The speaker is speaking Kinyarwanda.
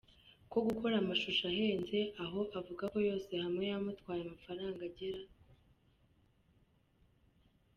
ko gukora amashusho ahenze aho avuga ko yose hamwe yamutwaye amafaranga agera.